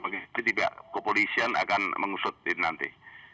jadi tidak kepolisian akan mengusutin nanti